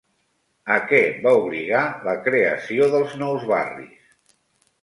A què va obligar la creació dels nous barris?